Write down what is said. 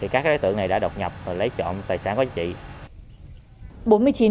các đối tượng này đã đột nhập và lấy trộm tài sản có dịch trị